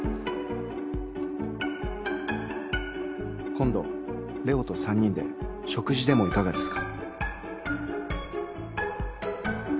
「今度レオと３人で食事でもいかがですか？」。